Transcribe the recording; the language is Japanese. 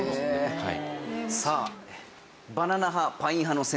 はい。